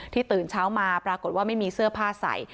ตื่นเช้ามาปรากฏว่าไม่มีเสื้อผ้าใส่